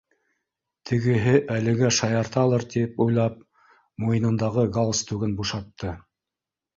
Тегеһе әлегә шаярталыр тип уйлап, муйынындағы гал стугын бушатты